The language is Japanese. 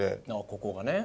ここがね。